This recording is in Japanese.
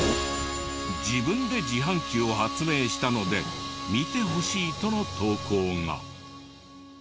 自分で自販機を発明したので見てほしいとの投稿が。